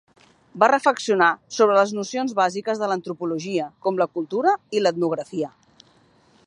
Va reflexionar sobre les nocions bàsiques de l'antropologia, com la cultura i l'etnografia.